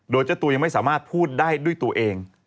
โดยเจ้าตัวยังไม่สามารถพูดได้ด้วยตัวเอง